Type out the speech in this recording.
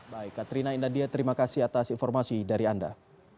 baik katrina india terima kasih atas informasi dari anda